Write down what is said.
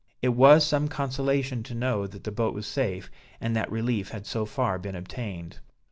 It was some consolation to know that the boat was safe, and that relief had so far been obtained.